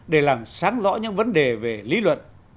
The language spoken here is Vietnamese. để làm sáng rõ những vấn đề về lý luận